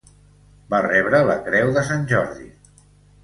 Va rebre la Creu de Sant Jordi.